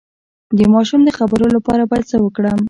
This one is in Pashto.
د ماشوم د خبرو لپاره باید څه وکړم؟